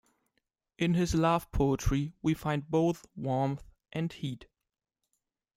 In his love poetry, we find both warmth and heat.